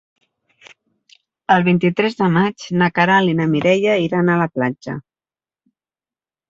El vint-i-tres de maig na Queralt i na Mireia iran a la platja.